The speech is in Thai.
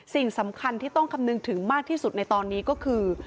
สิ่งสำคัญที่ต้องคำนึงถึงมากที่สุดในตอนนี้ก็คือ